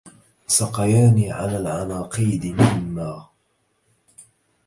سقياني على العناقيد مما